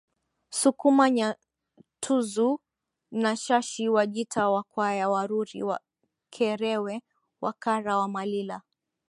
Sukuma Nyantuzu na Shashi Wajita Wakwaya Waruri Wakerewe Wakara Wamalila